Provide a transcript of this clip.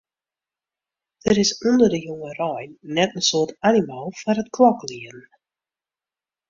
Der is ûnder de jongerein net in soad animo foar it kloklieden.